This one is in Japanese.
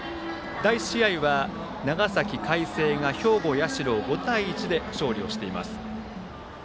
第１試合は長崎・海星が兵庫・社を５対１で勝利しています。